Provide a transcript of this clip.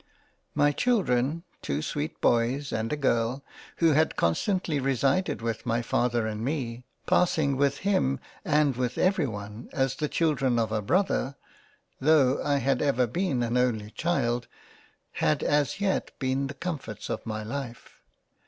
My Children, two sweet Boys and a Girl, who had constantly resided with my Father and me, passing with him and with every one as the Children of a Brother (tho' I had ever been an only Child) had as yet been the comforts of my Life.